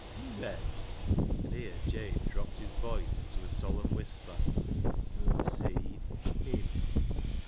An', Ben," — and here Jabe dropped his voice into a solemn whisper, —" Aw seed Him.